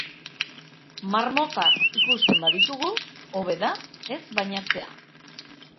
Marmokak ikusten baditugu, hobe da ez bainatzea.